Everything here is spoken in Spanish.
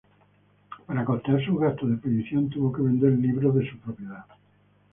Para costear sus gastos de expedición tuvo que vender libros de su propiedad.